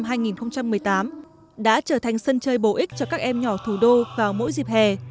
chương trình em học là thuyết minh năm hai nghìn một mươi tám đã trở thành sân chơi bổ ích cho các em nhỏ thủ đô vào mỗi dịp hè